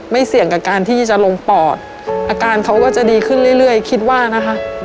เสี่ยงกับการที่จะลงปอดอาการเขาก็จะดีขึ้นเรื่อยคิดว่านะคะ